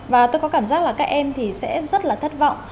và tôi có cảm giác là các em thì sẽ rất là thất vọng